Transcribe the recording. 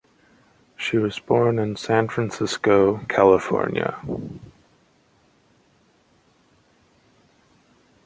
She was born in San Francisco, California.